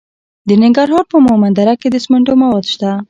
د ننګرهار په مومند دره کې د سمنټو مواد شته.